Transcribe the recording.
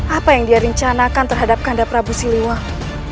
apa yang dia rencanakan terhadap kanda prabu siliwangi